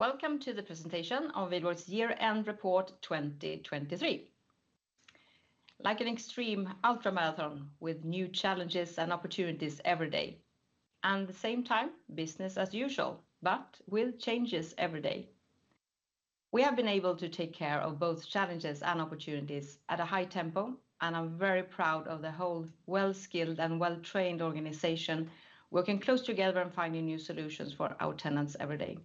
Welcome to the presentation of Wihlborgs Year-End Report 2023. Like an extreme ultramarathon with new challenges and opportunities every day, and at the same time business as usual but with changes every day. We have been able to take care of both challenges and opportunities at a high tempo and I'm very proud of the whole well-skilled and well-trained organization working close together and finding new solutions for our tenants every day.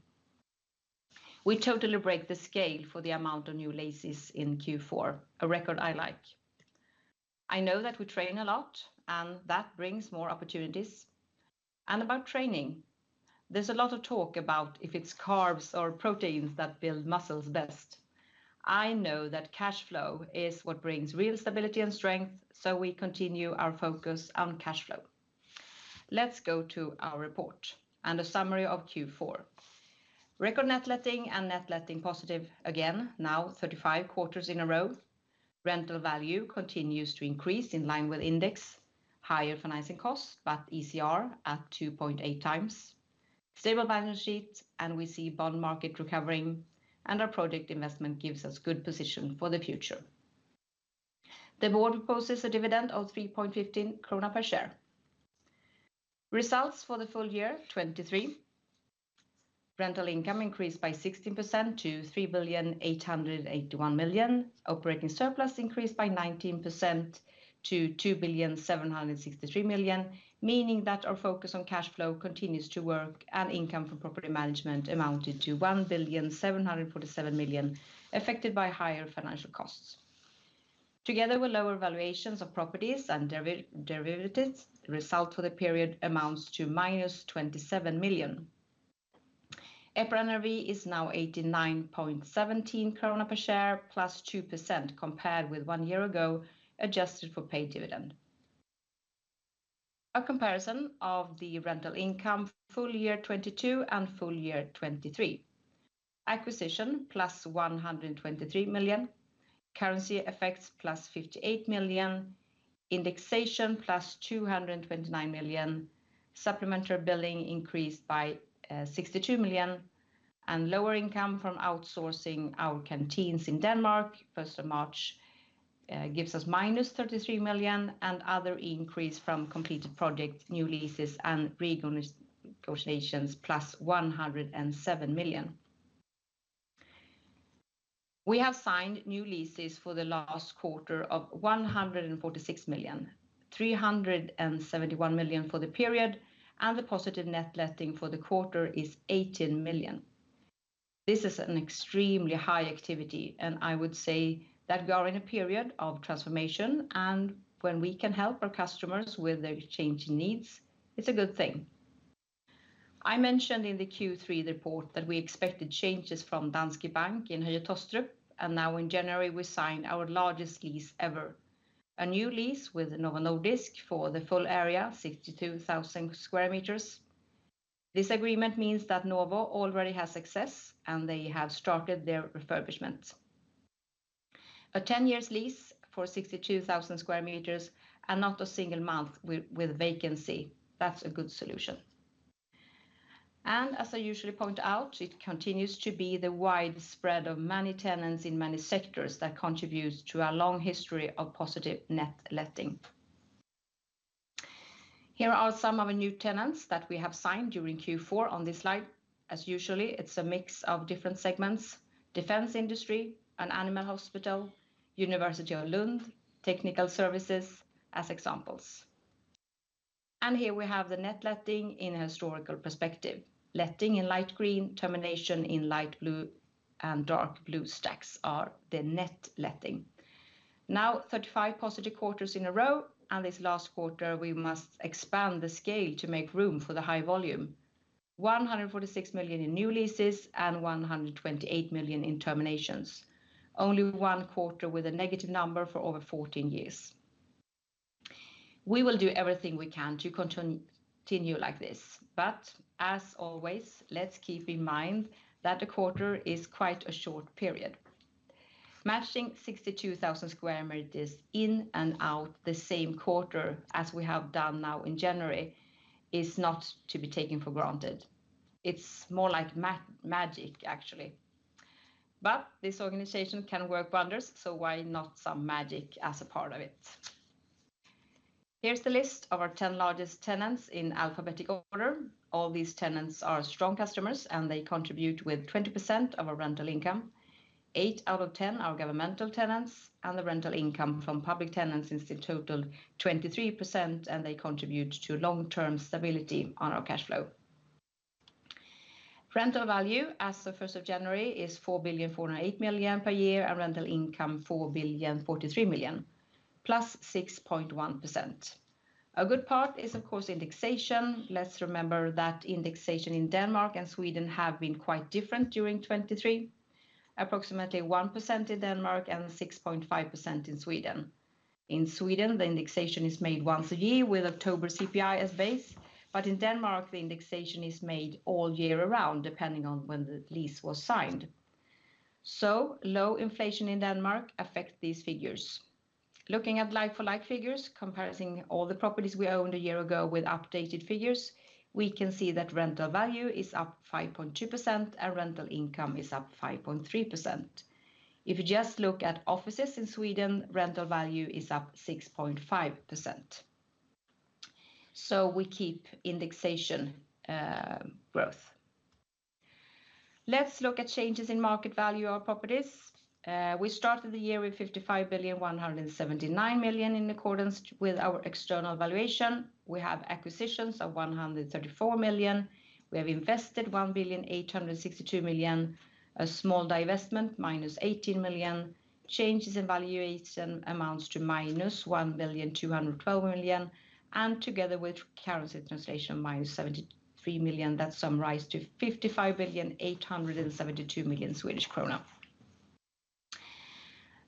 We totally break the scale for the amount of new leases in Q4, a record I like. I know that we train a lot and that brings more opportunities. And about training: there's a lot of talk about if it's carbs or proteins that build muscles best. I know that cash flow is what brings real stability and strength so we continue our focus on cash flow. Let's go to our report and a summary of Q4. Record net letting and net letting positive again, now 35 quarters in a row. Rental value continues to increase in line with index, higher financing costs but ICR at 2.8x. Stable balance sheet and we see bond market recovering and our project investment gives us good position for the future. The board proposes a dividend of 3.15 krona per share. Results for the full year: 2023. Rental income increased by 16% to 3,881,000,000. Operating surplus increased by 19% to 2,763,000,000 meaning that our focus on cash flow continues to work and income from property management amounted to 1,747,000,000 affected by higher financial costs. Together with lower valuations of properties and derivatives result for the period amounts to -27,000,000. EPRA NRV is now 89.17 krona per share +2% compared with one year ago adjusted for paid dividend. A comparison of the rental income full year 2022 and full year 2023. Acquisitions plus 123 million. Currency effects plus 58 million. Indexation plus 229 million. Supplementary billing increased by 62 million. And lower income from outsourcing our canteens in Denmark 1st of March gives us minus 33 million and other increase from completed project new leases and renegotiations plus 107 million. We have signed new leases for the last quarter of 146 million. 371 million for the period and the positive net letting for the quarter is 18 million. This is an extremely high activity and I would say that we are in a period of transformation and when we can help our customers with their changing needs it's a good thing. I mentioned in the Q3 report that we expected changes from Danske Bank in Høje Taastrup and now in January we signed our largest lease ever. A new lease with Novo Nordisk for the full area 62,000 square meters. This agreement means that Novo already has access and they have started their refurbishment. A 10-year lease for 62,000 square meters and not a single month with vacancy; that's a good solution. And as I usually point out, it continues to be the widespread of many tenants in many sectors that contributes to our long history of positive net letting. Here are some of the new tenants that we have signed during Q4 on this slide. As usual, it's a mix of different segments. Defense industry, an animal hospital, Lund University, technical services as examples. And here we have the net letting in a historical perspective. Letting in light green, termination in light blue and dark blue stacks are the net letting. Now 35 positive quarters in a row and this last quarter we must expand the scale to make room for the high volume. 146,000,000 in new leases and 128,000,000 in terminations. Only one quarter with a negative number for over 14 years. We will do everything we can to continue like this but as always let's keep in mind that a quarter is quite a short period. Matching 62,000 square meters in and out the same quarter as we have done now in January is not to be taken for granted. It's more like magic actually. But this organization can work wonders so why not some magic as a part of it. Here's the list of our 10 largest tenants in alphabetic order. All these tenants are strong customers and they contribute with 20% of our rental income. 8 out of 10 are governmental tenants and the rental income from public tenants is in total 23% and they contribute to long-term stability on our cash flow. Rental value as of 1st of January is 4,408,000,000 per year and rental income 4,043,000,000 plus 6.1%. A good part is of course indexation. Let's remember that indexation in Denmark and Sweden have been quite different during 2023. Approximately 1% in Denmark and 6.5% in Sweden. In Sweden the indexation is made once a year with October CPI as base but in Denmark the indexation is made all year around depending on when the lease was signed. So low inflation in Denmark affects these figures. Looking at like-for-like figures comparing all the properties we owned a year ago with updated figures we can see that rental value is up 5.2% and rental income is up 5.3%. If you just look at offices in Sweden, rental value is up 6.5%. So we keep indexation growth. Let's look at changes in market value of our properties. We started the year with 55,179,000,000 in accordance with our external valuation. We have acquisitions of 134,000,000. We have invested 1,862,000,000. A small divestment minus 18,000,000. Changes in valuation amounts to minus 1,212,000,000, and together with currency translation minus 73,000,000, that summarizes to SEK 55,872,000,000.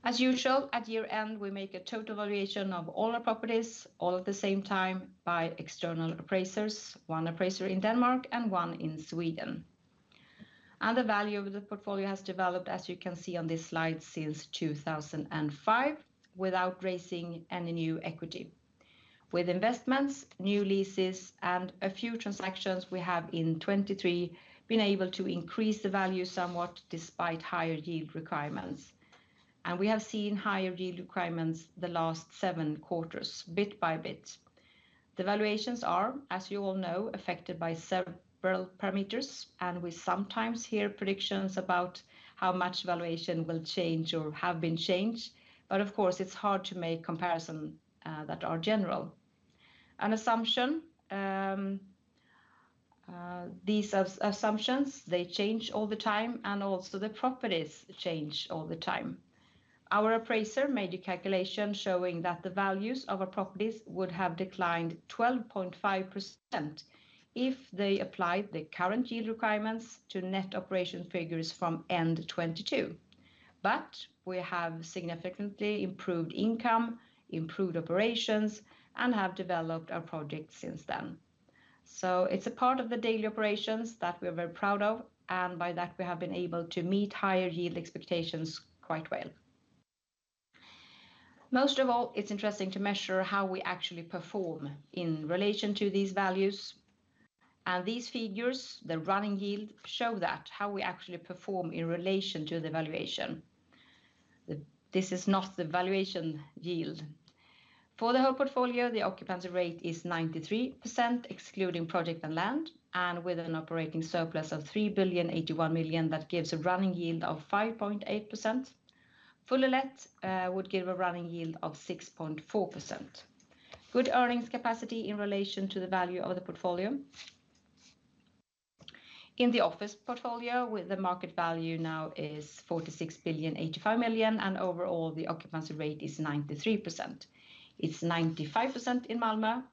As usual at year-end, we make a total valuation of all our properties all at the same time by external appraisers. One appraiser in Denmark and one in Sweden. The value of the portfolio has developed as you can see on this slide since 2005 without raising any new equity. With investments, new leases and a few transactions, we have in 2023 been able to increase the value somewhat despite higher yield requirements. We have seen higher yield requirements the last seven quarters bit by bit. The valuations are as you all know affected by several parameters and we sometimes hear predictions about how much valuation will change or have been changed but of course it's hard to make comparisons that are general. An assumption: these assumptions they change all the time and also the properties change all the time. Our appraiser made a calculation showing that the values of our properties would have declined 12.5% if they applied the current yield requirements to net operation figures from end 2022. But we have significantly improved income, improved operations and have developed our project since then. So it's a part of the daily operations that we are very proud of and by that we have been able to meet higher yield expectations quite well. Most of all it's interesting to measure how we actually perform in relation to these values. These figures, the running yield, show that. How we actually perform in relation to the valuation. This is not the valuation yield. For the whole portfolio the occupancy rate is 93% excluding project and land and with an operating surplus of 3.081 billion that gives a running yield of 5.8%. Fully let would give a running yield of 6.4%. Good earnings capacity in relation to the value of the portfolio. In the office portfolio with the market value now is 46.085 billion and overall the occupancy rate is 93%. It's 95% in Malmö,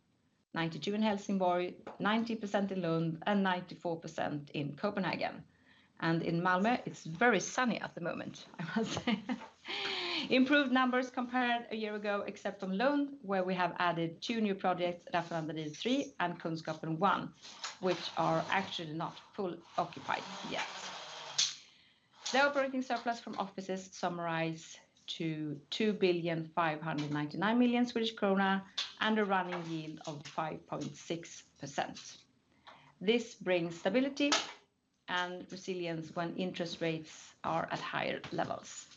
92% in Helsingborg, 90% in Lund and 94% in Copenhagen. In Malmö it's very sunny at the moment I must say. Improved numbers compared a year ago except on Lund where we have added two new projects Raffinaderiet 3 and Kunskapen 1 which are actually not fully occupied yet. The operating surplus from offices summarizes to 2,599,000,000 Swedish krona and a running yield of 5.6%. This brings stability and resilience when interest rates are at higher levels.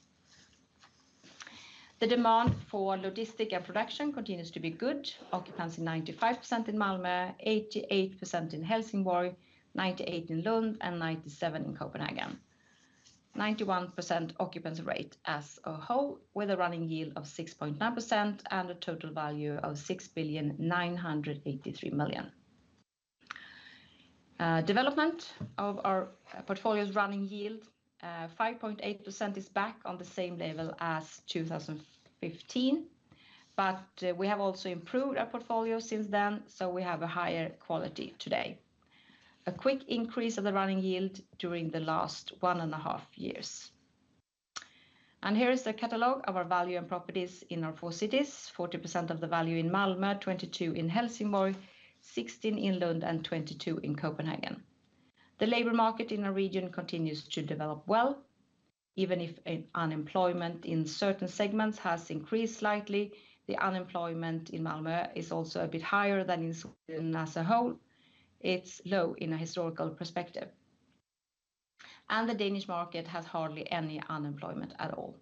The demand for logistics and production continues to be good. Occupancy 95% in Malmö, 88% in Helsingborg, 98% in Lund and 97% in Copenhagen. 91% occupancy rate as a whole with a running yield of 6.9% and a total value of 6,983,000,000. Development of our portfolio's running yield: 5.8% is back on the same level as 2015 but we have also improved our portfolio since then so we have a higher quality today. A quick increase of the running yield during the last one and a half years. Here is the catalogue of our value and properties in our four cities: 40% of the value in Malmö, 22% in Helsingborg, 16% in Lund and 22% in Copenhagen. The labor market in our region continues to develop well. Even if unemployment in certain segments has increased slightly, the unemployment in Malmö is also a bit higher than in Sweden as a whole. It's low in a historical perspective. And the Danish market has hardly any unemployment at all.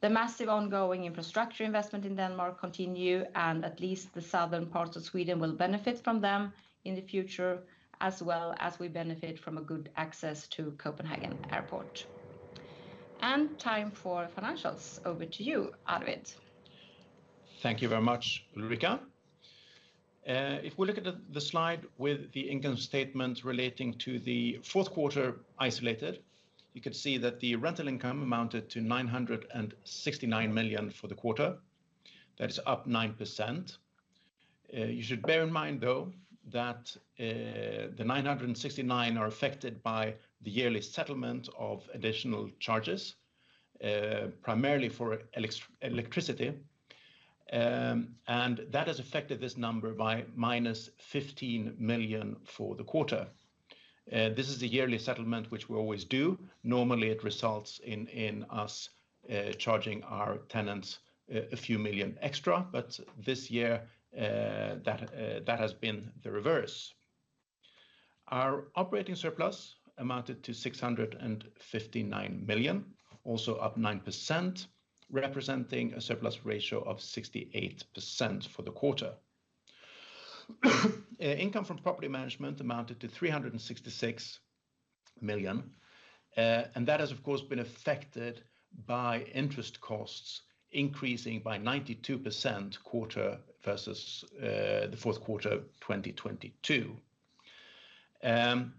The massive ongoing infrastructure investment in Denmark continues and at least the southern parts of Sweden will benefit from them in the future as well as we benefit from a good access to Copenhagen Airport. And time for financials. Over to you Arvid. Thank you very much Ulrika. If we look at the slide with the income statement relating to the 4th quarter isolated, you could see that the rental income amounted to 969 million for the quarter. That is up 9%. You should bear in mind though that the 969 million are affected by the yearly settlement of additional charges. Primarily for electricity. And that has affected this number by -15 million for the quarter. This is the yearly settlement which we always do. Normally it results in us charging our tenants a few million SEK extra but this year that has been the reverse. Our operating surplus amounted to 659 million. Also up 9% representing a surplus ratio of 68% for the quarter. Income from property management amounted to 366 million. And that has of course been affected by interest costs increasing by 92% quarter versus the 4th quarter 2022. And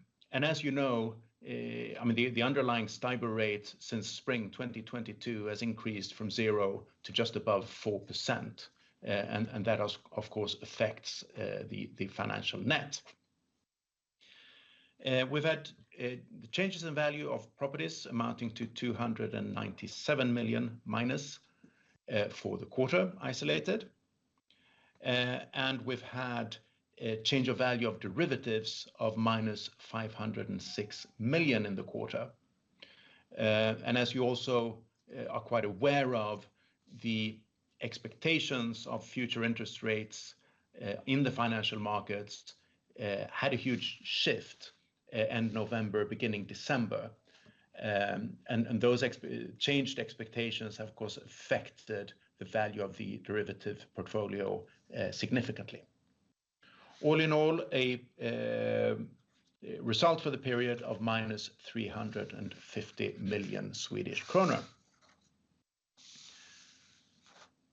as you know I mean the underlying STIBOR rate since spring 2022 has increased from 0 to just above 4% and that of course affects the financial net. We've had changes in value of properties amounting to -297 million for the quarter isolated. And we've had a change of value of derivatives of -506 million in the quarter. And as you also are quite aware of the expectations of future interest rates in the financial markets had a huge shift end November beginning December. And those changed expectations have of course affected the value of the derivative portfolio significantly. All in all a result for the period of -350 million Swedish kronor.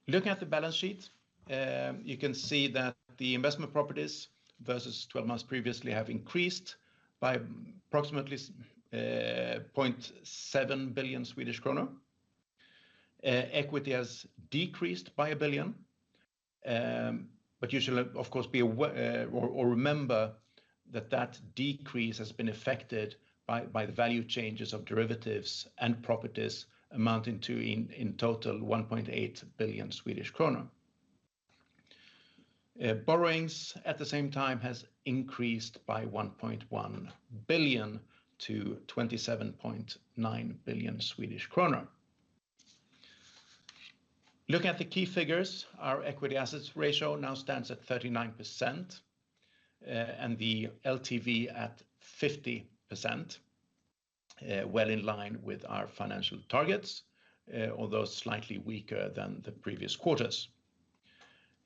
Looking at the balance sheet you can see that the investment properties versus 12 months previously have increased by approximately 0.7 billion Swedish kronor. Equity has decreased by 1 billion SEK. But you should of course be aware or remember that that decrease has been affected by the value changes of derivatives and properties amounting to in total 1.8 billion Swedish krona. Borrowings at the same time has increased by 1.1 billion to 27.9 billion Swedish krona. Looking at the key figures, our equity assets ratio now stands at 39% and the LTV at 50%. Well, in line with our financial targets, although slightly weaker than the previous quarters.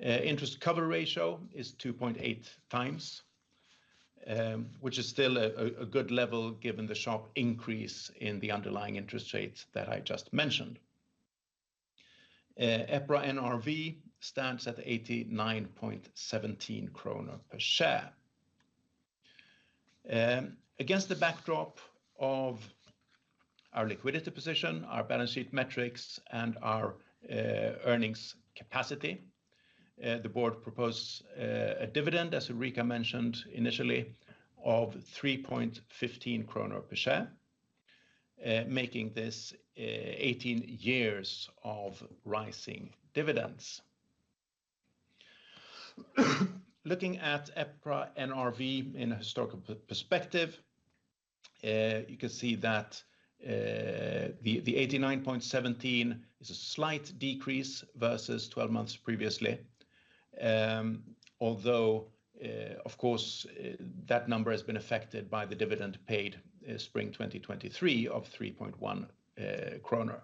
Interest cover ratio is 2.8x which is still a good level given the sharp increase in the underlying interest rates that I just mentioned. EPRA NRV stands at 89.17 kronor per share. Against the backdrop of our liquidity position, our balance sheet metrics and our earnings capacity, the board proposes a dividend as Ulrika mentioned initially of 3.15 kronor per share. Making this 18 years of rising dividends. Looking at EPRA NRV in a historical perspective, you can see that the 89.17 is a slight decrease versus 12 months previously. Although of course that number has been affected by the dividend paid spring 2023 of 3.1 kronor.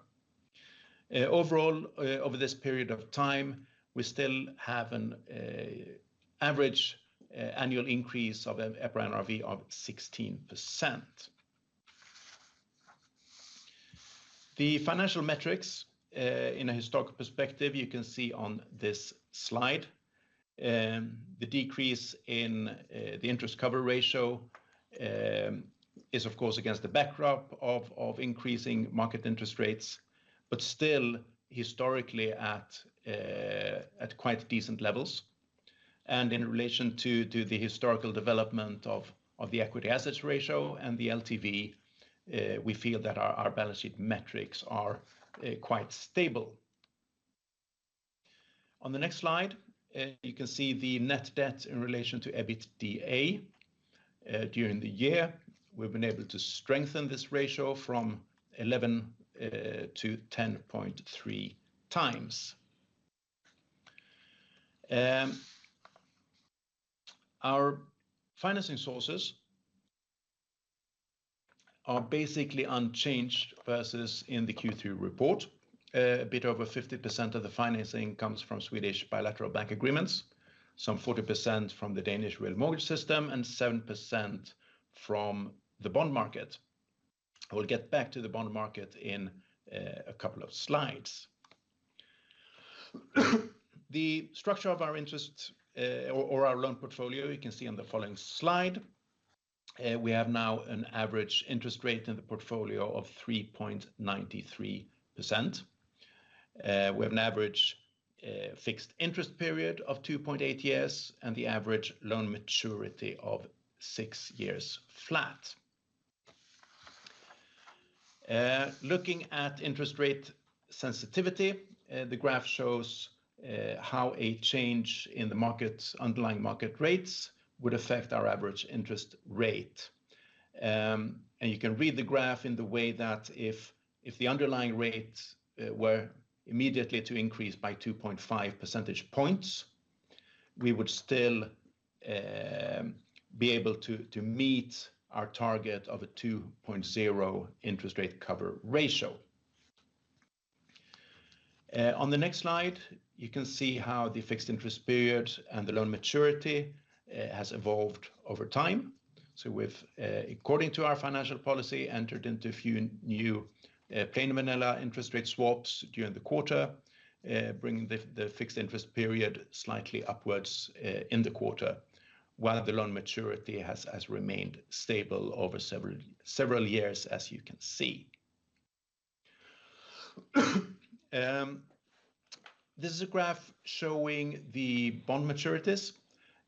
Overall over this period of time we still have an average annual increase of EPRA NRV of 16%. The financial metrics in a historical perspective you can see on this slide. The decrease in the interest coverage ratio is of course against the backdrop of increasing market interest rates but still historically at quite decent levels. And in relation to the historical development of the equity assets ratio and the LTV we feel that our balance sheet metrics are quite stable. On the next slide you can see the net debt in relation to EBITDA during the year. We've been able to strengthen this ratio from 11 to 10.3 times. Our financing sources are basically unchanged versus in the Q3 report. A bit over 50% of the financing comes from Swedish bilateral bank agreements. Some 40% from the Danish real mortgage system and 7% from the bond market. I will get back to the bond market in a couple of slides. The structure of our interest or our loan portfolio you can see on the following slide. We have now an average interest rate in the portfolio of 3.93%. We have an average fixed interest period of 2.8 years and the average loan maturity of 6 years flat. Looking at interest rate sensitivity, the graph shows how a change in the market underlying market rates would affect our average interest rate. You can read the graph in the way that if the underlying rates were immediately to increase by 2.5 percentage points we would still be able to meet our target of a 2.0 interest rate cover ratio. On the next slide you can see how the fixed interest period and the loan maturity has evolved over time. So we've according to our financial policy entered into a few new plain vanilla interest rate swaps during the quarter bringing the fixed interest period slightly upwards in the quarter while the loan maturity has remained stable over several years as you can see. This is a graph showing the bond maturities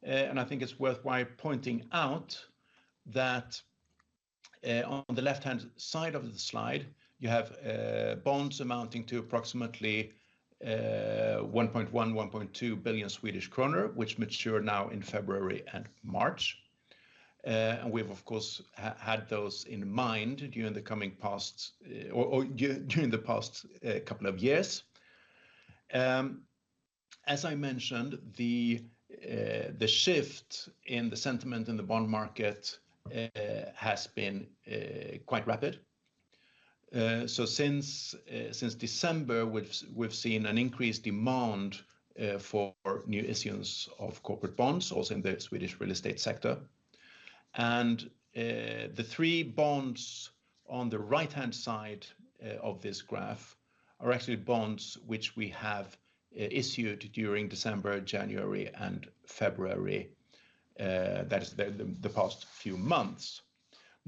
and I think it's worthwhile pointing out that on the left-hand side of the slide you have bonds amounting to approximately 1.1-1.2 billion Swedish kronor which mature now in February and March. We've of course had those in mind during the coming past or during the past couple of years. As I mentioned, the shift in the sentiment in the bond market has been quite rapid. Since December we've seen an increased demand for new issuance of corporate bonds also in the Swedish real estate sector. The 3 bonds on the right-hand side of this graph are actually bonds which we have issued during December, January and February. That is the past few months.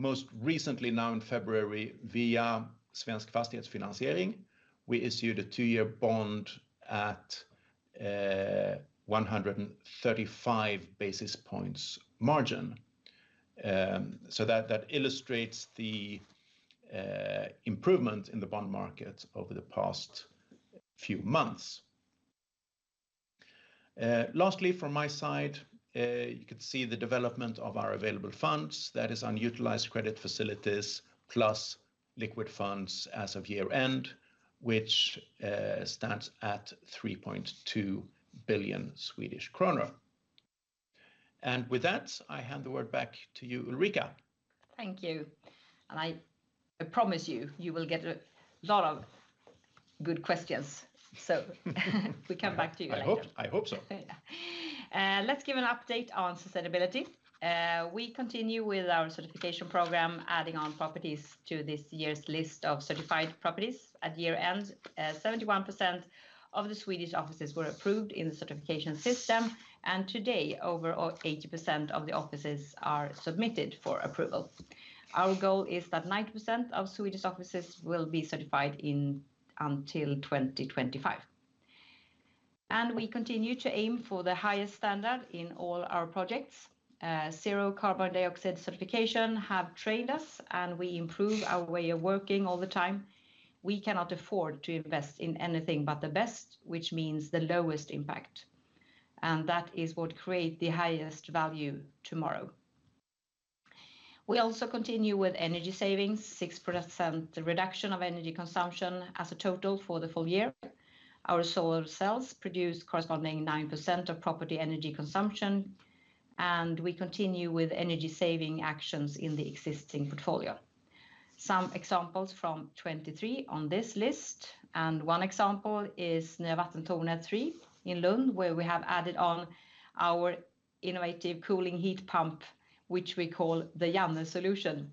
Most recently now in February via Svensk FastighetsFinansiering we issued a 2-year bond at 135 basis points margin. That illustrates the improvement in the bond market over the past few months. Lastly from my side you could see the development of our available funds. That is unutilized credit facilities plus liquid funds as of year-end which stands at 3.2 billion Swedish kronor. With that I hand the word back to you, Ulrika. Thank you. I promise you you will get a lot of good questions so we come back to you later. I hope so. Let's give an update on sustainability. We continue with our certification program adding on properties to this year's list of certified properties at year end. 71% of the Swedish offices were approved in the certification system and today over 80% of the offices are submitted for approval. Our goal is that 90% of Swedish offices will be certified in until 2025. We continue to aim for the highest standard in all our projects. Zero carbon dioxide certification have trained us and we improve our way of working all the time. We cannot afford to invest in anything but the best which means the lowest impact. That is what creates the highest value tomorrow. We also continue with energy savings. 6% reduction of energy consumption as a total for the full year. Our solar cells produce corresponding 9% of property energy consumption. We continue with energy saving actions in the existing portfolio. Some examples from 2023 on this list and one example is Nya Vattentornet 3 in Lund where we have added on our innovative cooling heat pump which we call the Janne Solution.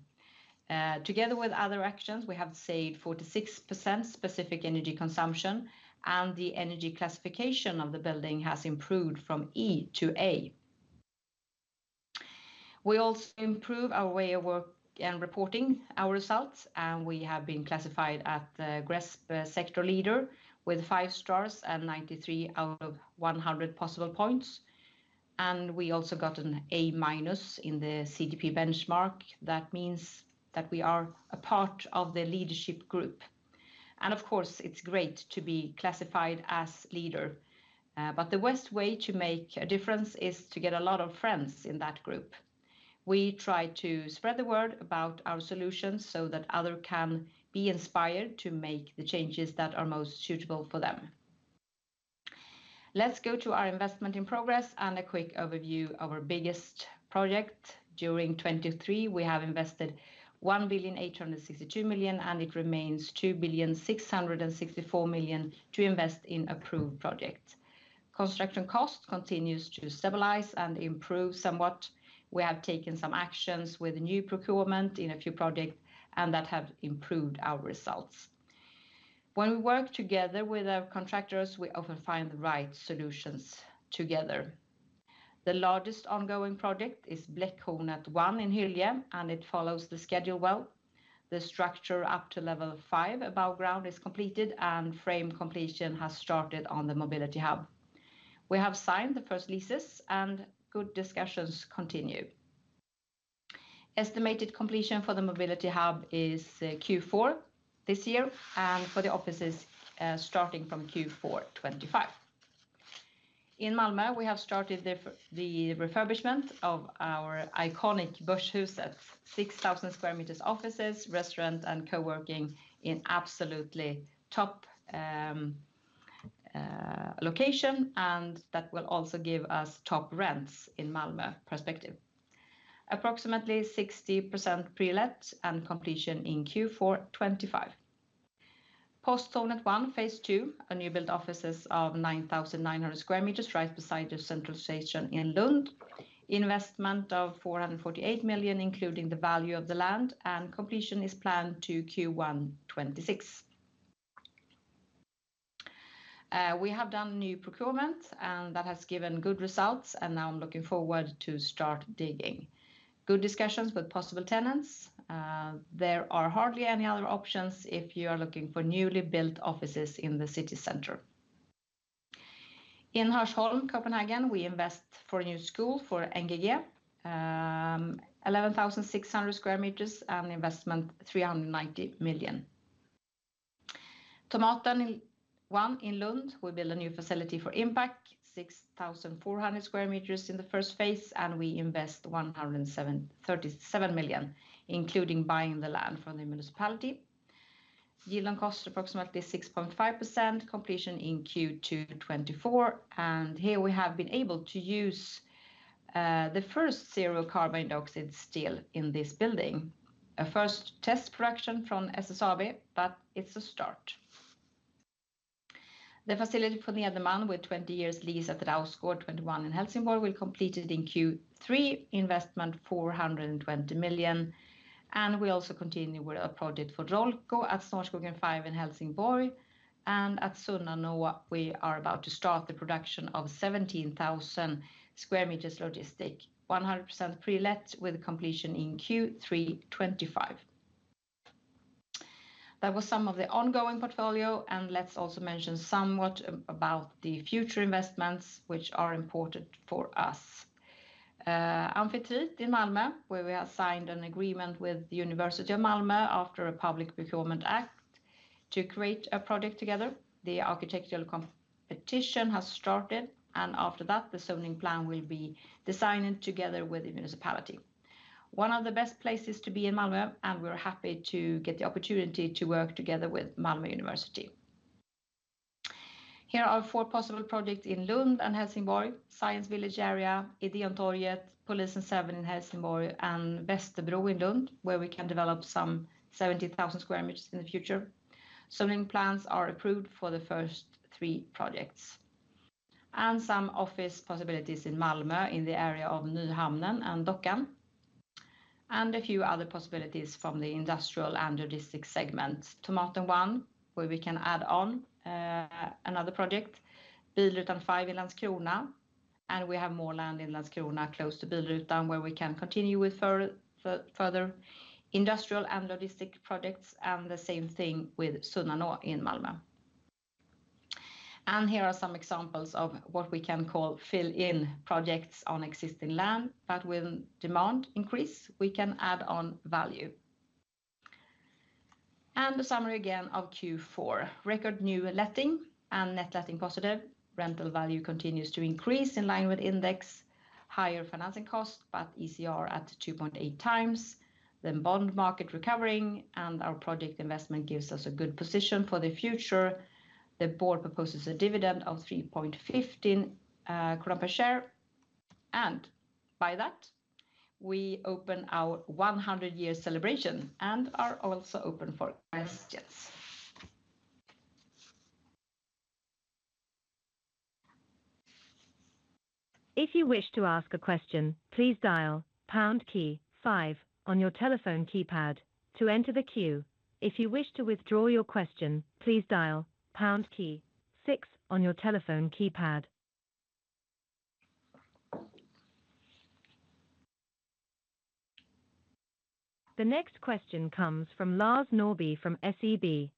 Together with other actions we have saved 46% specific energy consumption and the energy classification of the building has improved from E to A. We also improve our way of work and reporting our results and we have been classified at GRESB sector leader with 5 stars and 93 out of 100 possible points. We also got an A- in the CDP benchmark. That means that we are a part of the leadership group. Of course it's great to be classified as leader but the best way to make a difference is to get a lot of friends in that group. We try to spread the word about our solutions so that others can be inspired to make the changes that are most suitable for them. Let's go to our investment in progress and a quick overview of our biggest project. During 2023 we have invested 1,862,000,000 and it remains 2,664,000,000 to invest in approved projects. Construction costs continues to stabilize and improve somewhat. We have taken some actions with a new procurement in a few projects and that have improved our results. When we work together with our contractors we often find the right solutions together. The largest ongoing project is Bläckhornet 1 in Hyllie and it follows the schedule well. The structure up to level 5 above ground is completed and frame completion has started on the mobility hub. We have signed the first leases and good discussions continue. Estimated completion for the mobility hub is Q4 this year and for the offices starting from Q4 2025. In Malmö we have started the refurbishment of our iconic Börshuset. 6,000 square meters offices, restaurant and coworking in absolutely top location and that will also give us top rents in Malmö perspective. Approximately 60% pre-let and completion in Q4 2025. Posthornet 1 phase 2. A newly built offices of 9,900 square meters right beside the central station in Lund. Investment of 448,000,000 including the value of the land and completion is planned to Q1 2026. We have done new procurement and that has given good results and now I'm looking forward to start digging. Good discussions with possible tenants. There are hardly any other options if you are looking for newly built offices in the city centre. In Hørsholm Copenhagen we invest for a new school for NGG. 11,600 square metres and investment 390 million. Tomaten 1 in Lund. We build a new facility for Inpac. 6,400 square metres in the first phase and we invest 137 million including buying the land from the municipality. Yield on cost approximately 6.5%. Completion in Q2 2024 and here we have been able to use the first zero-carbon steel in this building. A first test production from SSAB but it's a start. The facility for Nederman with 20-year lease at Rausgård 21 in Helsingborg will complete in Q3. Investment 420 million. We also continue with a project for Rollco at Snårskogen 5 in Helsingborg. At Sunnanå we are about to start the production of 17,000 square metres logistic. 100% pre-let with completion in Q3 2025. That was some of the ongoing portfolio and let's also mention somewhat about the future investments which are important for us. Amfitrite in Malmö where we have signed an agreement with Malmö University after a public procurement act to create a project together. The architectural competition has started and after that the zoning plan will be designed together with the municipality. One of the best places to be in Malmö and we are happy to get the opportunity to work together with Malmö University. Here are 4 possible projects in Lund and Helsingborg. Science Village area. Ideontorget. Polisen 7 in Helsingborg and Västerbro in Lund where we can develop some 70,000 sq m in the future. Zoning plans are approved for the first 3 projects. Some office possibilities in Malmö in the area of Nyhamnen and Dockan. A few other possibilities from the industrial and logistics segment. Tomaten 1 where we can add on another project. Bilrutan 5 in Landskrona. We have more land in Landskrona close to Bilrutan where we can continue with further industrial and logistics projects and the same thing with Sunnanå in Malmö. Here are some examples of what we can call fill-in projects on existing land but with demand increase we can add on value. The summary again of Q4. Record new letting and net letting positive. Rental value continues to increase in line with index. Higher financing cost but ICR at 2.8 times. The bond market recovering and our project investment gives us a good position for the future. The board proposes a dividend of 3.15 krona per share. By that we open our 100-year celebration and are also open for questions. If you wish to ask a question, please dial pound key five on your telephone keypad to enter the queue. If you wish to withdraw your question, please dial pound key six on your telephone keypad. The next question comes from Lars Norrby from SEB.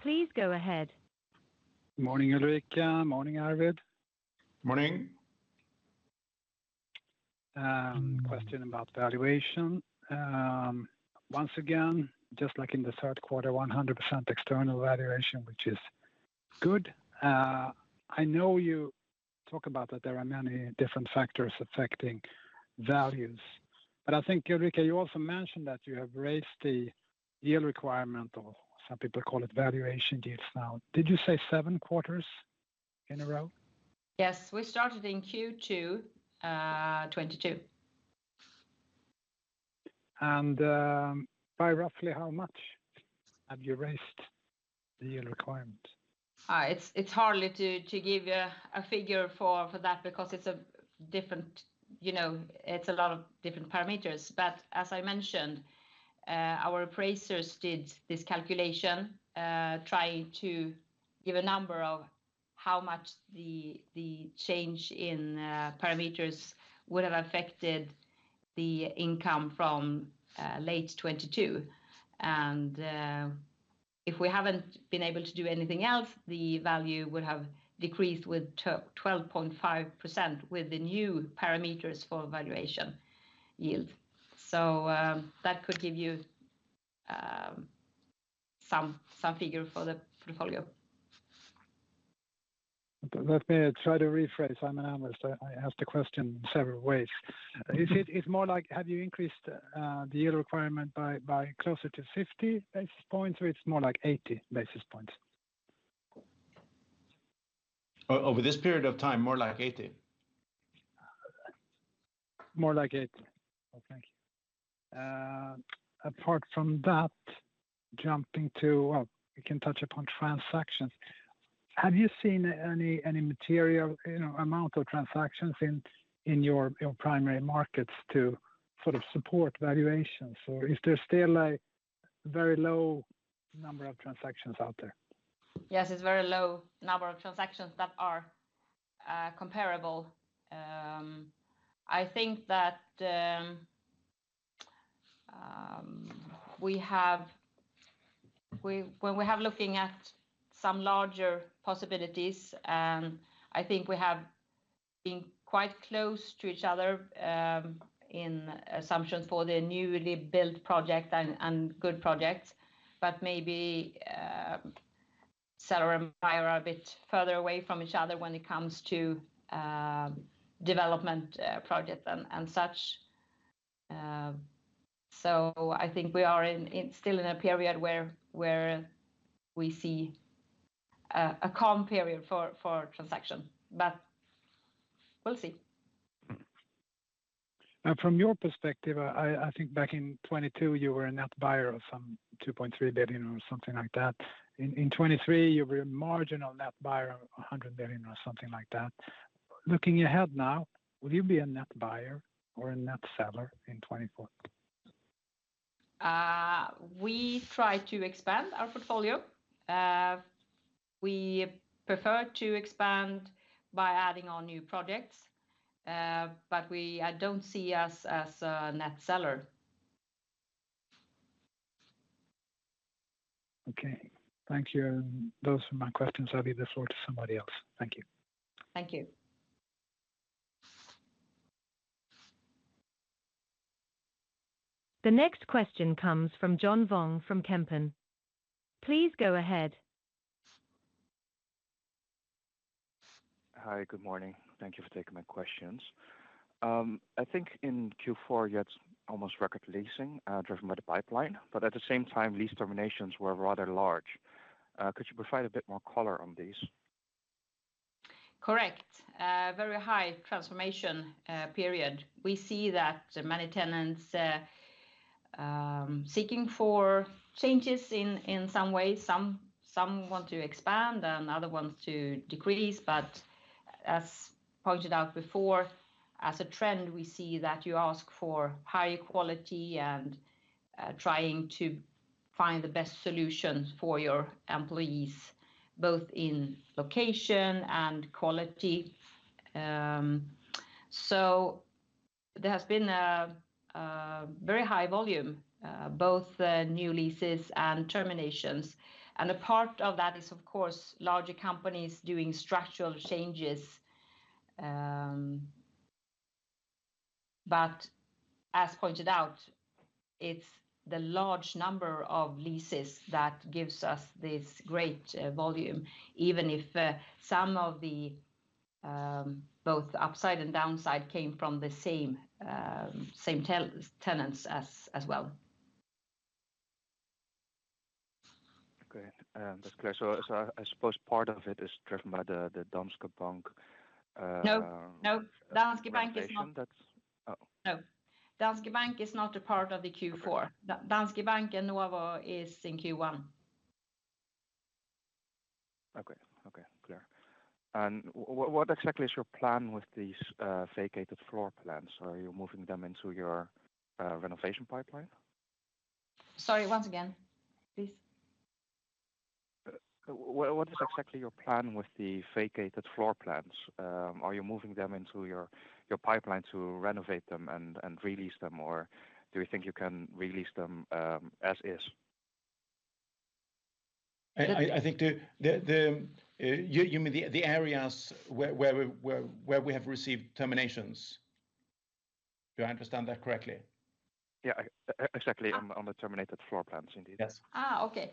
Please go ahead. Good morning, Ulrika. Morning, Arvid. Morning. Question about valuation. Once again, just like in the third quarter, 100% external valuation, which is good. I know you talk about that there are many different factors affecting values, but I think, Ulrika, you also mentioned that you have raised the yield requirement or some people call it valuation yields now. Did you say seven quarters in a row? Yes. We started in Q2 2022. And by roughly how much have you raised the yield requirement? It's hard to give you a figure for that because it's a different you know it's a lot of different parameters but as I mentioned our appraisers did this calculation trying to give a number of how much the change in parameters would have affected the income from late 2022. If we haven't been able to do anything else the value would have decreased with 12.5% with the new parameters for valuation yield. So that could give you some figure for the portfolio. Let me try to rephrase. I'm an analyst. I asked the question several ways. It's more like have you increased the yield requirement by closer to 50 basis points or it's more like 80 basis points? Over this period of time more like 80. More like 80. Thank you. Apart from that jumping to well we can touch upon transactions. Have you seen any material amount of transactions in your primary markets to sort of support valuations or is there still a very low number of transactions out there? Yes. It's very low number of transactions that are comparable. I think that we have when we have looking at some larger possibilities I think we have been quite close to each other in assumptions for the newly built project and good projects but maybe sellers and buyers are a bit further away from each other when it comes to development projects and such. So I think we are still in a period where we see a calm period for transaction but we'll see. From your perspective I think back in 2022 you were a net buyer of some 2.3 billion or something like that. In 2023 you were a marginal net buyer of 100 billion or something like that. Looking ahead, now, will you be a net buyer or a net seller in 2024? We try to expand our portfolio. We prefer to expand by adding on new projects, but I don't see us as a net seller. Okay. Thank you. Those were my questions. I'll leave the floor to somebody else. Thank you. Thank you. The next question comes from John Vuong from Kempen. Please go ahead. Hi. Good morning. Thank you for taking my questions. I think in Q4 yet almost record leasing driven by the pipeline, but at the same time lease terminations were rather large. Could you provide a bit more color on these? Correct. Very high transformation period. We see that many tenants seeking for changes in some ways. Some want to expand and other ones to decrease, but as pointed out before, as a trend we see that you ask for higher quality and trying to find the best solution for your employees both in location and quality. So there has been a very high volume both new leases and terminations and a part of that is of course larger companies doing structural changes. But as pointed out it's the large number of leases that gives us this great volume even if some of the both upside and downside came from the same tenants as well. Great. That's clear. So I suppose part of it is driven by the Danske Bank. No. No. Danske Bank is not. No. Danske Bank is not a part of the Q4. Danske Bank and Novo Nordisk is in Q1. Okay. Okay. Clear. And what exactly is your plan with these vacated floor plans? Are you moving them into your renovation pipeline? Sorry once again. Please. What is exactly your plan with the vacated floor plans? Are you moving them into your pipeline to renovate them and release them or do you think you can release them as is? I think you mean the areas where we have received terminations. Do I understand that correctly? Yeah. Exactly. On the terminated floor plans indeed. Yes. Okay.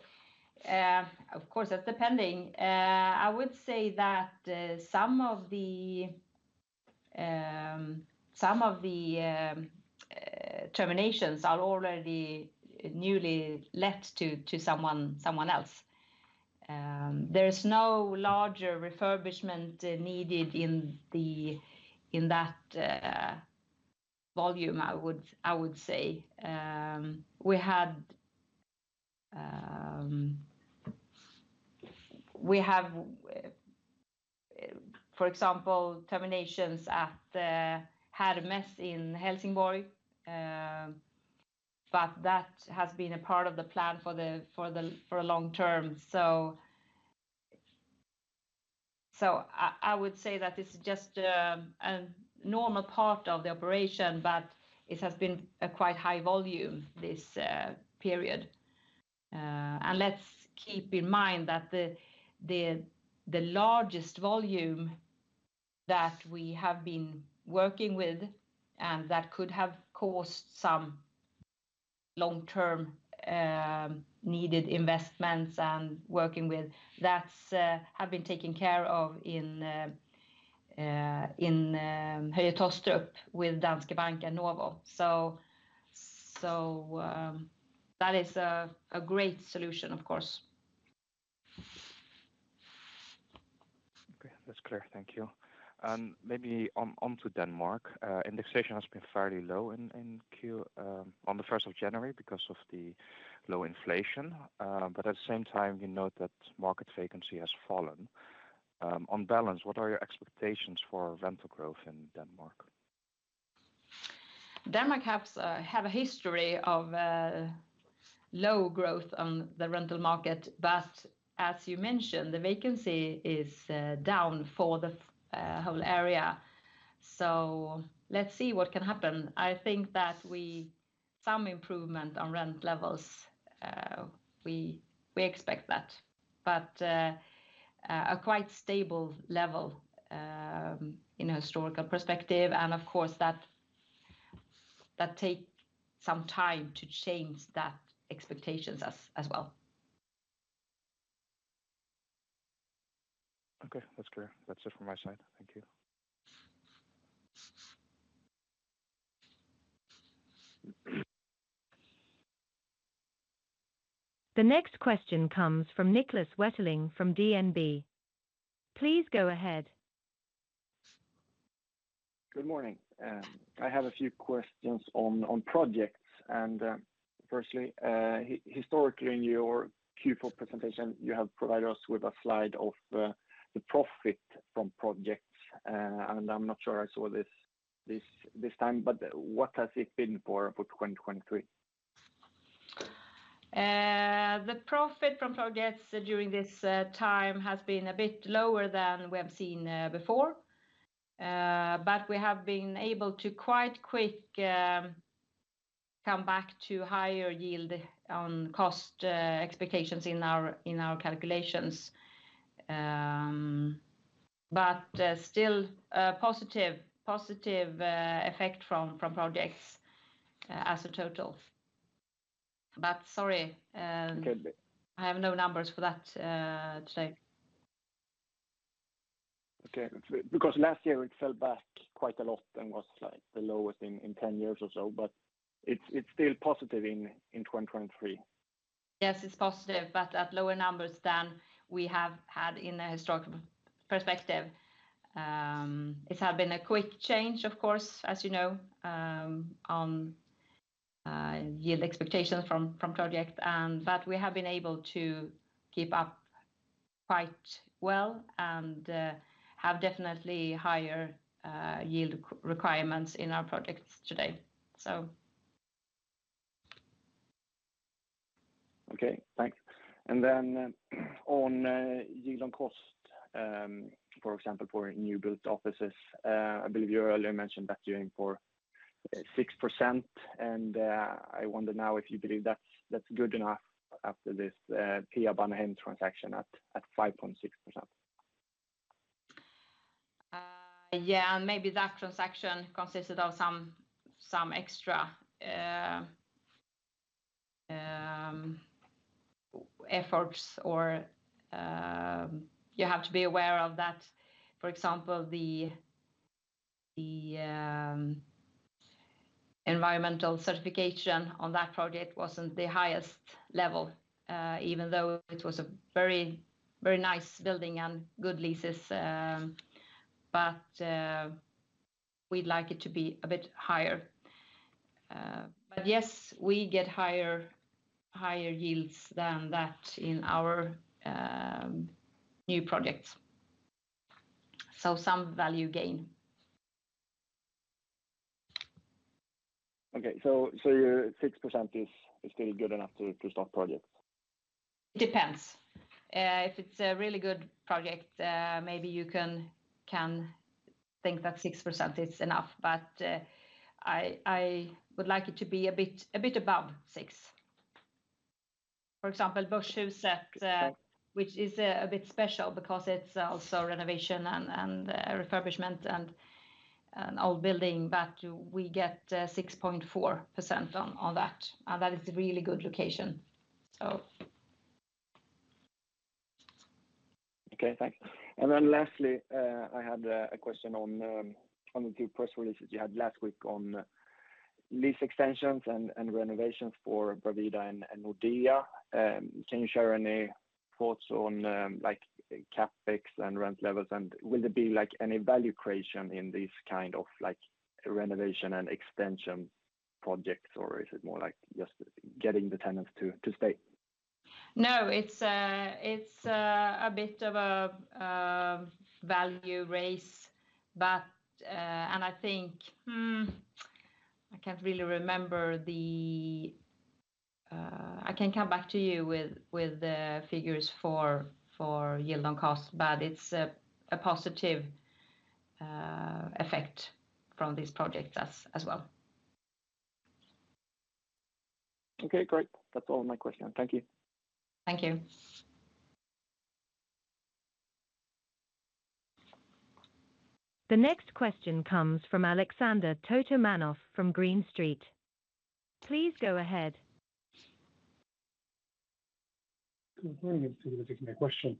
Of course that's depending. I would say that some of the terminations are already newly let to someone else. There is no larger refurbishment needed in that volume I would say. We had for example terminations at Hermes in Helsingborg but that has been a part of the plan for a long term so I would say that it's just a normal part of the operation but it has been a quite high volume this period. Let's keep in mind that the largest volume that we have been working with and that could have caused some long term needed investments and working with that have been taken care of in Høje Taastrup with Danske Bank and Novo Nordisk. So that is a great solution of course. Great. That's clear. Thank you. Maybe onto Denmark. Indexation has been fairly low on the first of January because of the low inflation but at the same time you note that market vacancy has fallen. On balance what are your expectations for rental growth in Denmark? Denmark have a history of low growth on the rental market but as you mentioned the vacancy is down for the whole area so let's see what can happen. I think that we some improvement on rent levels we expect that but a quite stable level in a historical perspective and of course that takes some time to change that expectations as well. Okay. That's clear. That's it from my side. Thank you. The next question comes from Niklas Wetterling from DNB Markets. Please go ahead. Good morning. I have a few questions on projects and firstly historically in your Q4 presentation you have provided us with a slide of the profit from projects and I'm not sure I saw this this time but what has it been for 2023? The profit from projects during this time has been a bit lower than we have seen before but we have been able to quite quick come back to higher yield on cost expectations in our calculations. But still positive effect from projects as a total. But sorry, I have no numbers for that today. Okay. Because last year it fell back quite a lot and was the lowest in 10 years or so, but it's still positive in 2023. Yes. It's positive but at lower numbers than we have had in a historical perspective. It's had been a quick change of course, as you know, on yield expectations from project, but we have been able to keep up quite well and have definitely higher yield requirements in our projects today, so. Okay. Thanks. And then on yield on cost, for example, for new built offices, I believe you earlier mentioned that you're in for 6% and I wonder now if you believe that's good enough after this Annehem transaction at 5.6%. Yeah. Maybe that transaction consisted of some extra efforts or you have to be aware of that for example the environmental certification on that project wasn't the highest level even though it was a very nice building and good leases but we'd like it to be a bit higher. Yes we get higher yields than that in our new projects. Some value gain. Okay. 6% is still good enough to start projects? It depends. If it's a really good project maybe you can think that 6% is enough but I would like it to be a bit above 6%. For example Börshuset which is a bit special because it's also renovation and refurbishment and an old building but we get 6.4% on that and that is a really good location so. Okay. Thanks. And then lastly I had a question on the two press releases you had last week on lease extensions and renovations for Bravida and Nordea. Can you share any thoughts on CapEx and rent levels and will there be any value creation in these kind of renovation and extension projects or is it more like just getting the tenants to stay? No. It's a bit of a value race but and I think I can't really remember. I can come back to you with the figures for yield on cost but it's a positive effect from these projects as well. Okay. Great. That's all my questions. Thank you. Thank you. The next question comes from Alexander Totomanov from Green Street. Please go ahead. Good morning. Thank you for taking my question.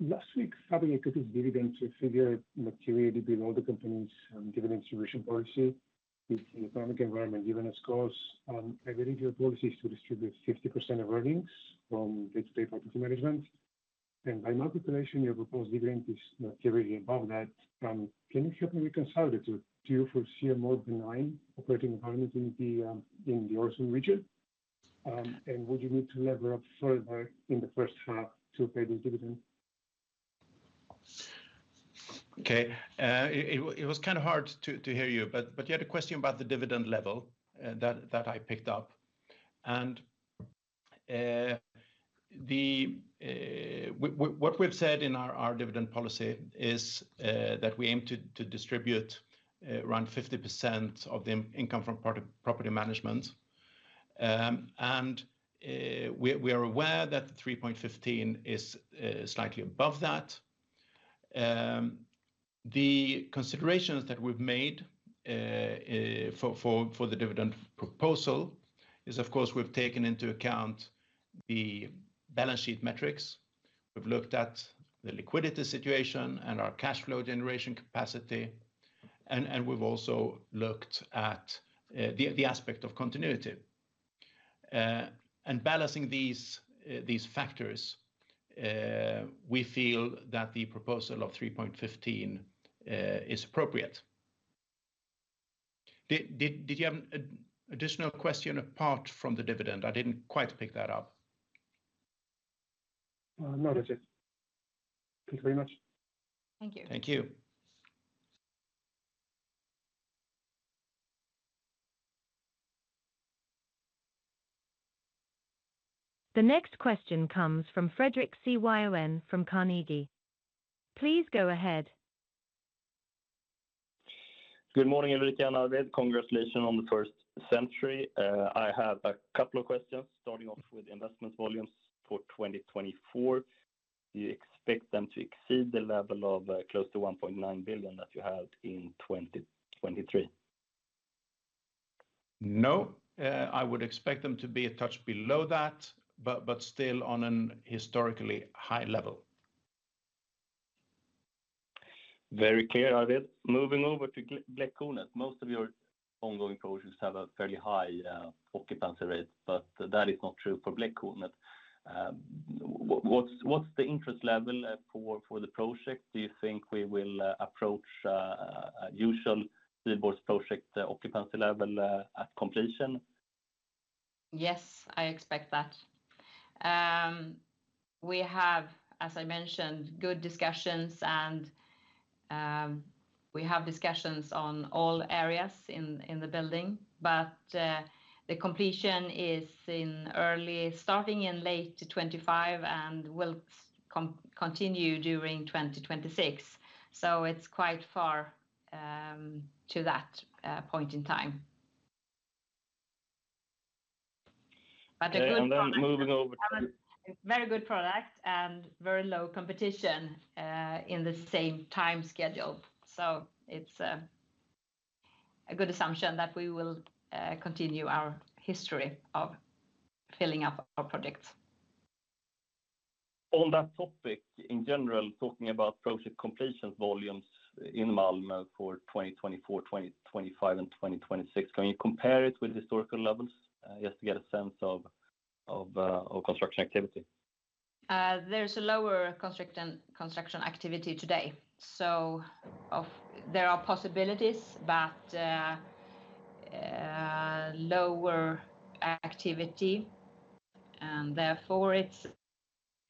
Last week Fabege took its dividend figure materially below the company's dividend distribution policy with the economic environment given as cause. I believe your policy is to distribute 50% of earnings from day-to-day property management and by my calculation your proposed dividend is materially above that. Can you help me reconcile it? Do you foresee a more benign operating environment in the Øresund region and would you need to lever up further in the first half to pay this dividend? Okay. It was kind of hard to hear you but you had a question about the dividend level that I picked up and what we've said in our dividend policy is that we aim to distribute around 50% of the income from property management and we are aware that the 3.15 is slightly above that. The considerations that we've made for the dividend proposal is of course we've taken into account the balance sheet metrics. We've looked at the liquidity situation and our cash flow generation capacity and we've also looked at the aspect of continuity. Balancing these factors we feel that the proposal of 3.15 is appropriate. Did you have an additional question apart from the dividend? I didn't quite pick that up. Not at all. Thank you very much. Thank you. Thank you. The next question comes from Fredrik Cyon from Carnegie. Please go ahead. Good morning Erik and Arvid. Congratulations on the 1st century. I have a couple of questions starting off with investment volumes for 2024. Do you expect them to exceed the level of close to 1.9 billion that you had in 2023? No. I would expect them to be a touch below that but still on an historically high level. Very clear, Arvid. Moving over to Bläckhornet. Most of your ongoing projects have a fairly high occupancy rate but that is not true for Bläckhornet. What's the interest level for the project? Do you think we will approach usual Wihlborgs project occupancy level at completion? Yes. I expect that. We have as I mentioned good discussions and we have discussions on all areas in the building but the completion is starting in late 2025 and will continue during 2026 so it's quite far to that point in time. But a good product. Very good product and very low competition in the same time schedule so it's a good assumption that we will continue our history of filling up our projects. On that topic in general talking about project completion volumes in Malmö for 2024, 2025, and 2026, can you compare it with historical levels just to get a sense of construction activity? There's a lower construction activity today so there are possibilities but lower activity and therefore it's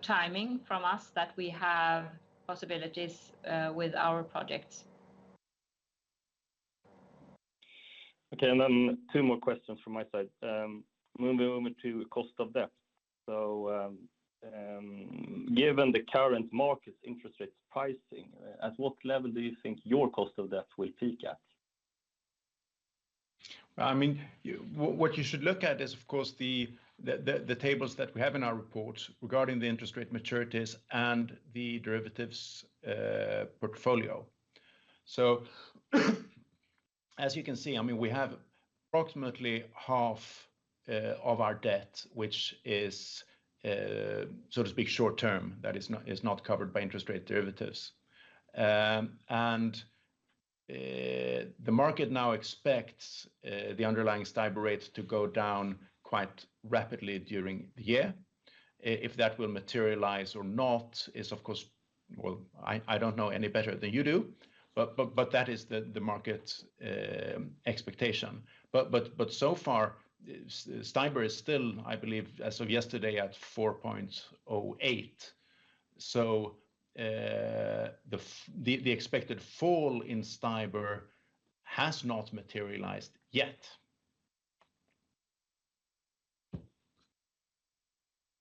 timing from us that we have possibilities with our projects. Okay. And then two more questions from my side. Moving over to cost of debt. So given the current market's interest rates pricing at what level do you think your cost of debt will peak at? I mean what you should look at is of course the tables that we have in our reports regarding the interest rate maturities and the derivatives portfolio. So as you can see, I mean, we have approximately half of our debt, which is, so to speak, short term, that is not covered by interest rate derivatives, and the market now expects the underlying STIBOR rate to go down quite rapidly during the year. If that will materialize or not is of course, well, I don't know any better than you do, but that is the market expectation. But so far STIBOR is still, I believe, as of yesterday, at 4.08, so the expected fall in STIBOR has not materialized yet.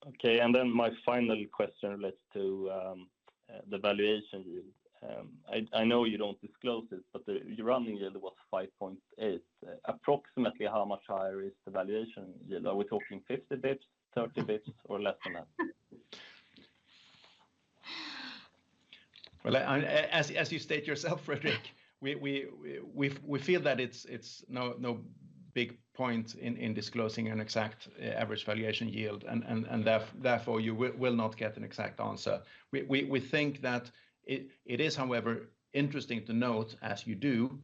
Okay. And then my final question relates to the valuation yield. I know you don't disclose it, but the running yield was 5.8. Approximately how much higher is the valuation yield? Are we talking 50 basis points, 30 basis points, or less than that? Well, as you state yourself, Fredrik, we feel that it's no big point in disclosing an exact average valuation yield, and therefore you will not get an exact answer. We think that it is, however, interesting to note, as you do,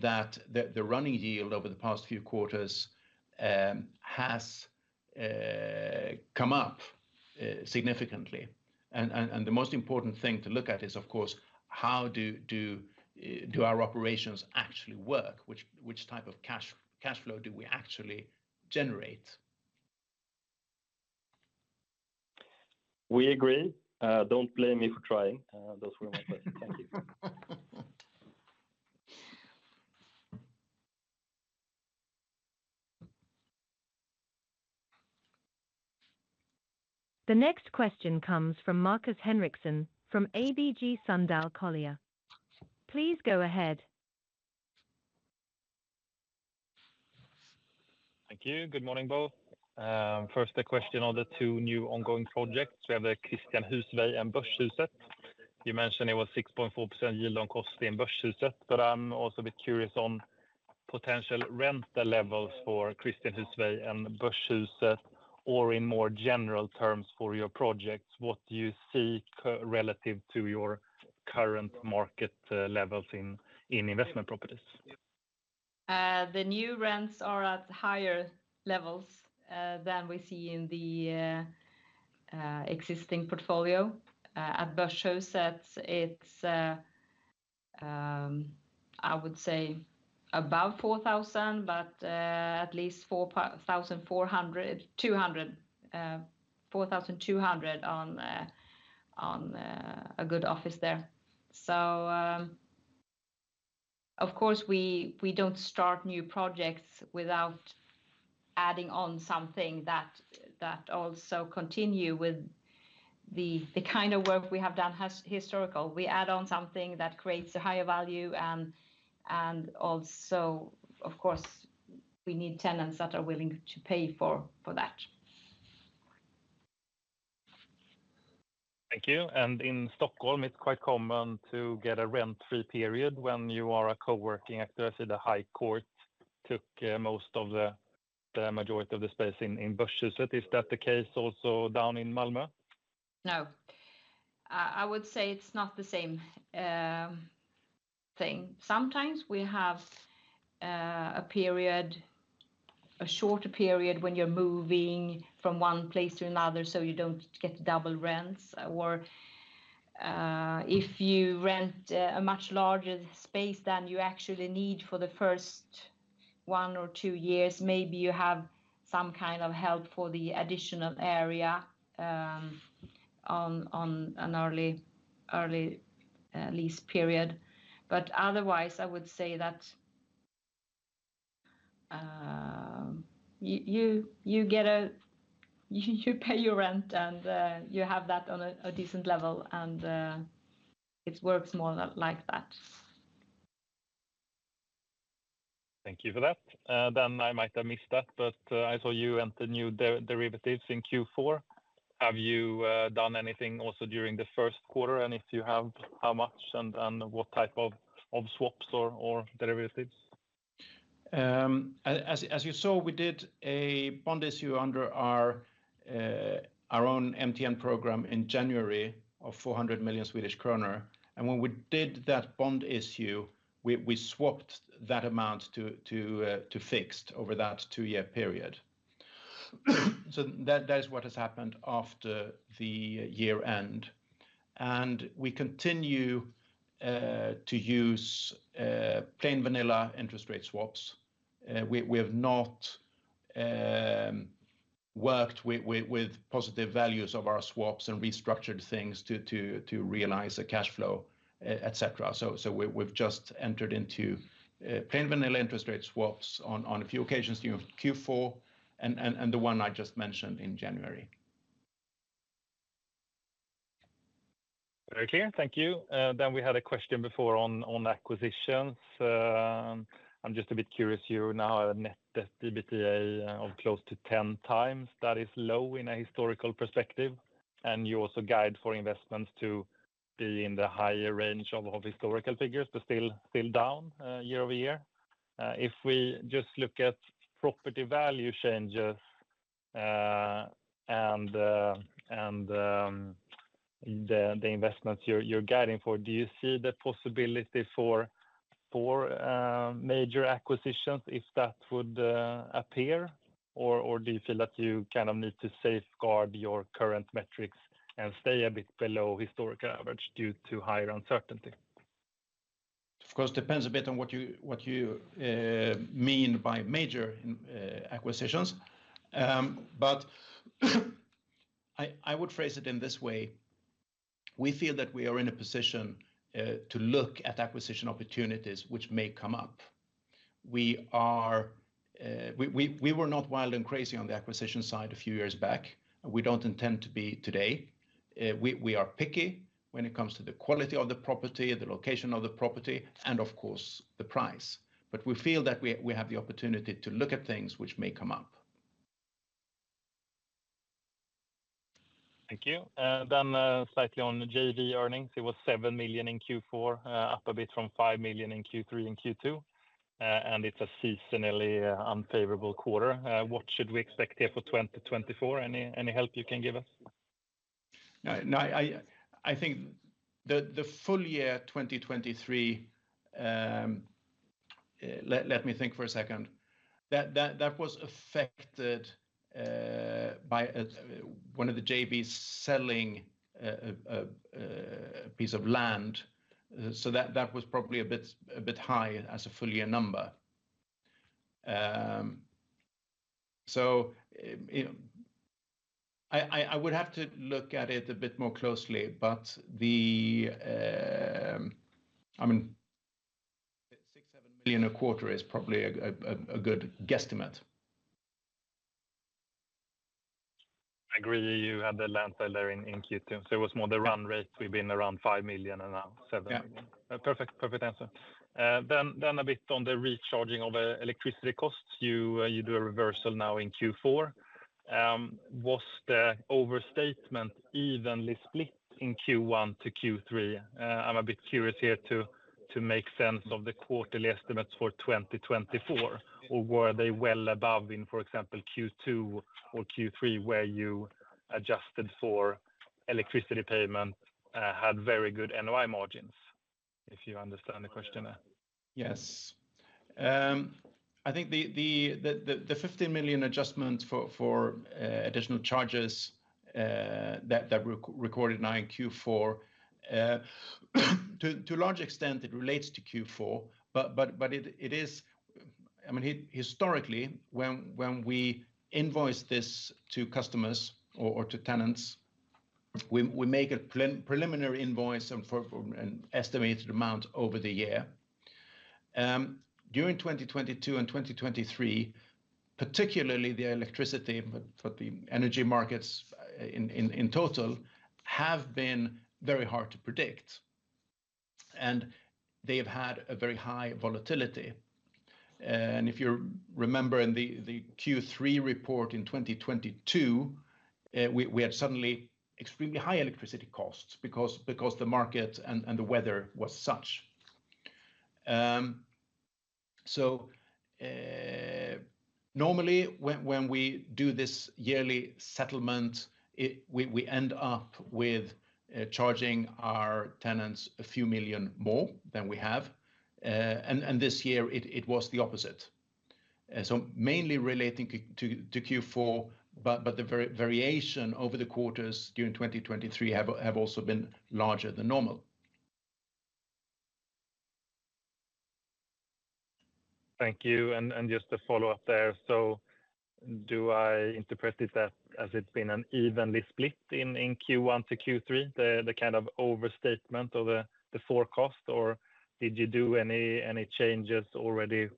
that the running yield over the past few quarters has come up significantly, and the most important thing to look at is, of course, how do our operations actually work? Which type of cash flow do we actually generate? We agree. Don't blame me for trying. Those were my questions. Thank you. The next question comes from Markus Henriksson from ABG Sundal Collier. Please go ahead. Thank you. Good morning, both. First, the question on the two new ongoing projects. We have the Posthornet 1 and Börshuset. You mentioned it was 6.4% yield on cost in Börshuset but I'm also a bit curious on potential rental levels for Posthornet and Börshuset or in more general terms for your projects what do you see relative to your current market levels in investment properties? The new rents are at higher levels than we see in the existing portfolio. At Börshuset it's I would say above 4,000 but at least 4,200 on a good office there. So of course we don't start new projects without adding on something that also continue with the kind of work we have done historical. We add on something that creates a higher value and also of course we need tenants that are willing to pay for that. Thank you. In Stockholm it's quite common to get a rent-free period when you are a coworking actor as the High Court took most of the majority of the space in Börshuset. Is that the case also down in Malmö? No. I would say it's not the same thing. Sometimes we have a short period when you're moving from one place to another so you don't get double rents or if you rent a much larger space than you actually need for the first one or two years maybe you have some kind of help for the additional area on an early lease period but otherwise I would say that you pay your rent and you have that on a decent level and it works more like that. Thank you for that. I might have missed that but I saw you rented new lettings in Q4. Have you done anything also during the first quarter and if you have how much and what type of swaps or derivatives? As you saw we did a bond issue under our own MTN program in January of 400 million Swedish kronor and when we did that bond issue we swapped that amount to fixed over that two-year period. So that is what has happened after the year end and we continue to use plain vanilla interest rate swaps. We have not worked with positive values of our swaps and restructured things to realize a cash flow etc. So we've just entered into plain vanilla interest rate swaps on a few occasions during Q4 and the one I just mentioned in January. Very clear. Thank you. Then we had a question before on acquisitions. I'm just a bit curious you now have a net debt to EBITDA of close to 10x. That is low in a historical perspective and you also guide for investments to be in the higher range of historical figures but still down year-over-year. If we just look at property value changes and the investments you're guiding for do you see the possibility for major acquisitions if that would appear or do you feel that you kind of need to safeguard your current metrics and stay a bit below historical average due to higher uncertainty? Of course it depends a bit on what you mean by major acquisitions but I would phrase it in this way. We feel that we are in a position to look at acquisition opportunities which may come up. We were not wild and crazy on the acquisition side a few years back and we don't intend to be today. We are picky when it comes to the quality of the property, the location of the property and of course the price but we feel that we have the opportunity to look at things which may come up. Thank you. Then slightly on JV earnings. It was 7 million in Q4 up a bit from 5 million in Q3 and Q2 and it's a seasonally unfavorable quarter. What should we expect here for 2024? Any help you can give us? No. I think the full year 2023 let me think for a second. That was affected by one of the JVs selling a piece of land so that was probably a bit high as a full year number. So I would have to look at it a bit more closely, but I mean 6-7 million a quarter is probably a good guesstimate. I agree you had the land sale there in Q2, so it was more the run rate. We've been around 5 million and now 7 million. Perfect. Perfect answer. Then a bit on the recharging of electricity costs. You do a reversal now in Q4. Was the overstatement evenly split in Q1 to Q3? I'm a bit curious here to make sense of the quarterly estimates for 2024, or were they well above in, for example, Q2 or Q3 where you adjusted for electricity payment had very good NOI margins if you understand the question there? Yes. I think the 15 million adjustment for additional charges that were recorded now in Q4 to a large extent it relates to Q4 but it is I mean historically when we invoice this to customers or to tenants we make a preliminary invoice and estimate an amount over the year. During 2022 and 2023 particularly the electricity for the energy markets in total have been very hard to predict and they have had a very high volatility. If you remember in the Q3 report in 2022 we had suddenly extremely high electricity costs because the market and the weather was such. Normally when we do this yearly settlement we end up with charging our tenants a few million SEK more than we have and this year it was the opposite. Mainly relating to Q4 but the variation over the quarters during 2023 have also been larger than normal. Thank you. And just to follow up there. So do I interpret it that, as it's been, an evenly split in Q1-Q3? The kind of overstatement of the forecast or did you do any changes already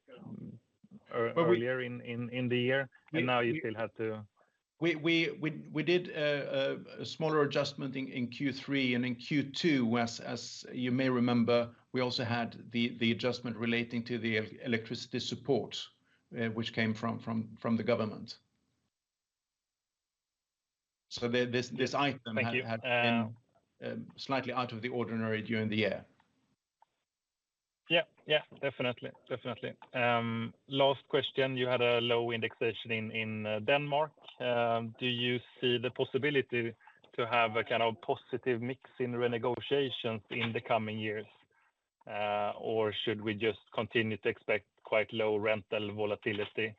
earlier in the year and now you still have to? We did a smaller adjustment in Q3 and in Q2, as you may remember, we also had the adjustment relating to the electricity support which came from the government. So this item had been slightly out of the ordinary during the year. Yeah. Yeah. Definitely. Definitely. Last question. You had a low indexation in Denmark. Do you see the possibility to have a kind of positive mix in renegotiations in the coming years or should we just continue to expect quite low rental volatility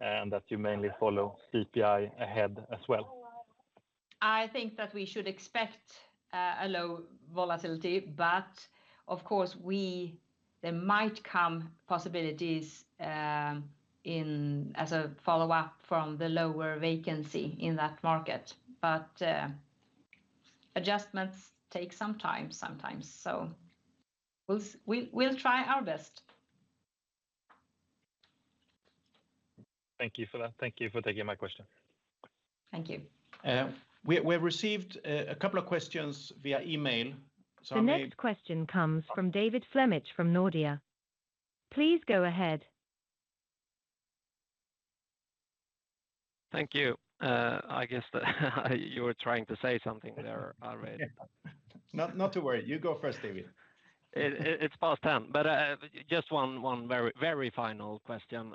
and that you mainly follow CPI ahead as well? I think that we should expect a low volatility but of course there might come possibilities as a follow-up from the lower vacancy in that market but adjustments take some time sometimes so we'll try our best. Thank you for that. Thank you for taking my question. Thank you. We've received a couple of questions via email. The next question comes from David Flemmig from Nordea. Please go ahead. Thank you. I guess that you were trying to say something there already. Not to worry. You go first, David. It's past 10:00 but just one very final question.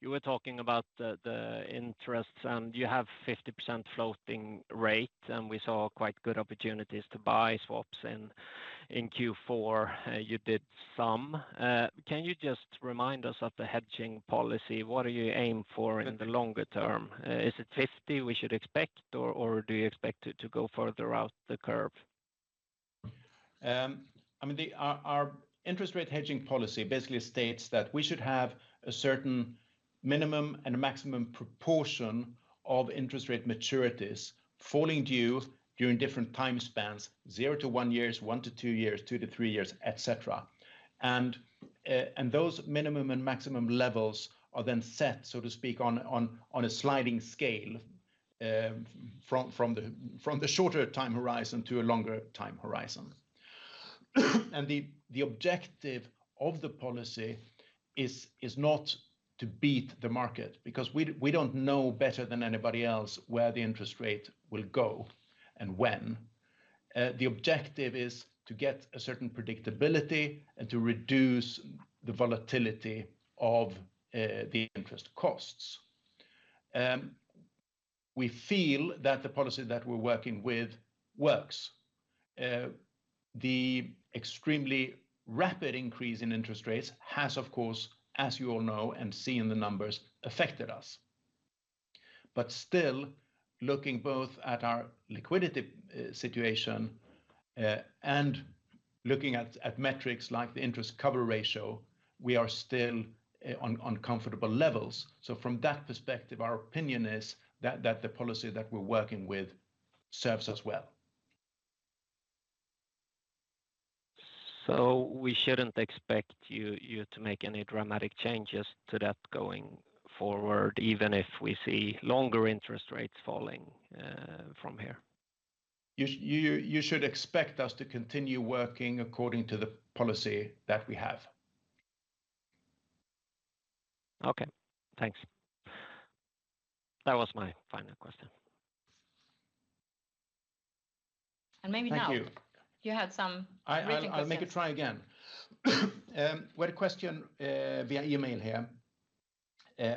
You were talking about the interests and you have 50% floating rate and we saw quite good opportunities to buy swaps in Q4. You did some. Can you just remind us of the hedging policy? What do you aim for in the longer term? Is it 50 we should expect or do you expect to go further out the curve? I mean our interest rate hedging policy basically states that we should have a certain minimum and a maximum proportion of interest rate maturities falling due during different time spans 0 years-1 years, 1-2 years, 2 years-3 years, etc. Those minimum and maximum levels are then set so to speak on a sliding scale from the shorter time horizon to a longer time horizon. The objective of the policy is not to beat the market because we don't know better than anybody else where the interest rate will go and when. The objective is to get a certain predictability and to reduce the volatility of the interest costs. We feel that the policy that we're working with works. The extremely rapid increase in interest rates has, of course, as you all know and see in the numbers, affected us, but still, looking both at our liquidity situation and looking at metrics like the interest cover ratio, we are still on comfortable levels. So, from that perspective, our opinion is that the policy that we're working with serves us well. So we shouldn't expect you to make any dramatic changes to that going forward, even if we see longer interest rates falling from here? You should expect us to continue working according to the policy that we have. Okay. Thanks. That was my final question. And maybe now you had some reading questions. I'll make it try again. We had a question via email here.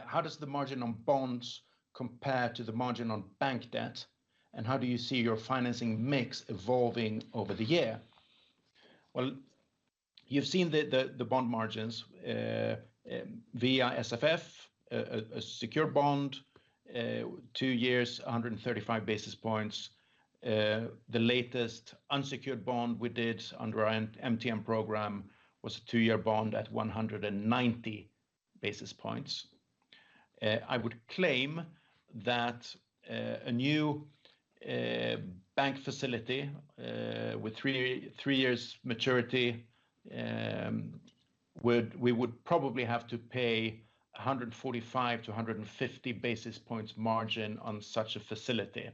How does the margin on bonds compare to the margin on bank debt and how do you see your financing mix evolving over the year? Well you've seen the bond margins via SFF, a secured bond, 2 years 135 basis points. The latest unsecured bond we did under our MTN program was a 2-year bond at 190 basis points. I would claim that a new bank facility with 3 years maturity we would probably have to pay 145-150 basis points margin on such a facility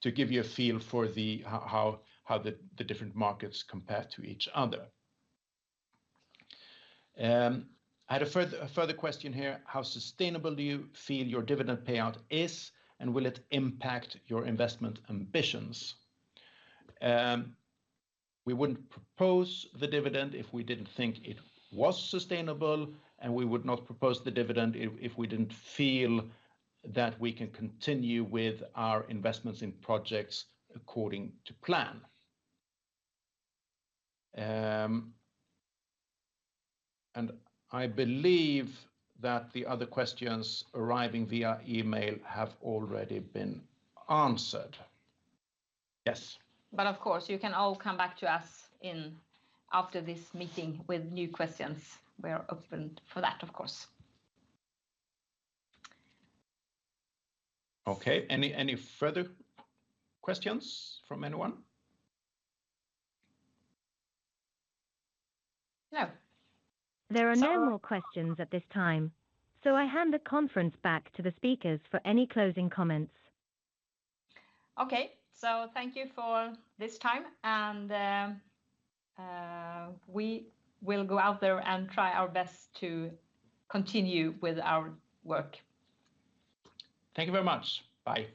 to give you a feel for how the different markets compare to each other. I had a further question here. How sustainable do you feel your dividend payout is and will it impact your investment ambitions? We wouldn't propose the dividend if we didn't think it was sustainable and we would not propose the dividend if we didn't feel that we can continue with our investments in projects according to plan. I believe that the other questions arriving via email have already been answered. Yes. Of course you can all come back to us after this meeting with new questions. We are open for that of course. Okay. Any further questions from anyone? No. There are no more questions at this time so I hand the conference back to the speakers for any closing comments. Okay. Thank you for this time and we will go out there and try our best to continue with our work. Thank you very much. Bye.